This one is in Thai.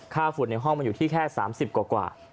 ฝุ่นในห้องมันอยู่ที่แค่๓๐กว่า